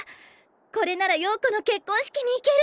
これなら陽子の結婚式に行ける！